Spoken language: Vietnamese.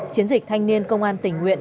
chiến dịch thanh niên công an tình nguyện